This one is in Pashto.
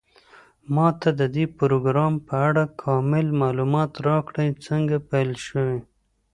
ما ته د دې پروګرام په اړه کامل معلومات راکړئ څنګه پیل شوی